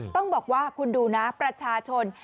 ต้องบอกว่าคุณดูนะประชาชน